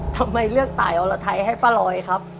ทำไมเลือกตายอรไทยให้ป้าลอยครับ